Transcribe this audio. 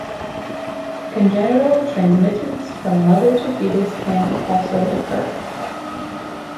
Congenital transmittance from mother to fetus can also occur.